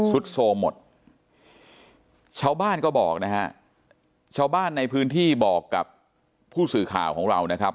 สุดโซหมดชาวบ้านก็บอกนะฮะชาวบ้านในพื้นที่บอกกับผู้สื่อข่าวของเรานะครับ